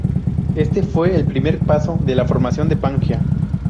Este fue el primer paso de la formación de Pangea.